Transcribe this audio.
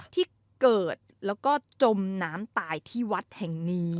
ที่เกิดแล้วก็จมน้ำตายที่วัดแห่งนี้